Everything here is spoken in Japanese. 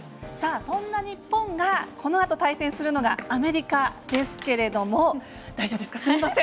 そんな日本がこのあと対戦するのがアメリカですけれども。